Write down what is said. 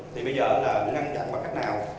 thì bây giờ là ngăn chặn bằng cách nào